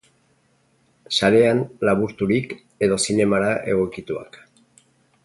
Sarean, laburturik, edo zinemara egokituak!